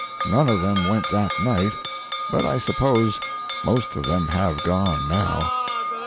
None of them went that night, but I suppose most of them have gone now."